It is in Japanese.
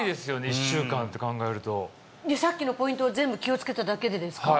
１週間って考えると気辰離櫂ぅ鵐箸全部気をつけただけでですか？